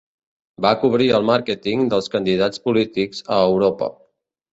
Va cobrir el màrqueting dels candidats polítics a Europa.